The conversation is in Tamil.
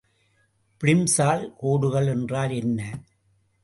பிளிம்சால் கோடுகள் என்றால் என்ன?